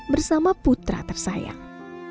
bersama putra tersayang